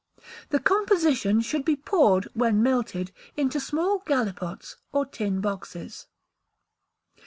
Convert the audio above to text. The composition should be poured, when melted, into small gallipots, or tin boxes.